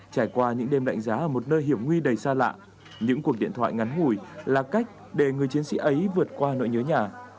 trải qua những đêm đánh giá ở một nơi hiểm nguy đầy xa lạ những cuộc điện thoại ngắn ngủi là cách để người chiến sĩ ấy vượt qua nỗi nhớ nhà